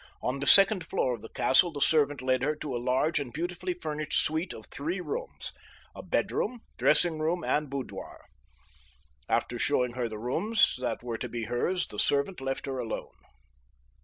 On the second floor of the castle the servant led her to a large and beautifully furnished suite of three rooms—a bedroom, dressing room and boudoir. After showing her the rooms that were to be hers the servant left her alone.